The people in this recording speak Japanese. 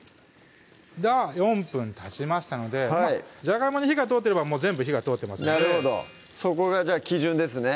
じゃあ４分たちましたのでじゃがいもに火が通ってれば全部火が通ってますのでそこが基準ですね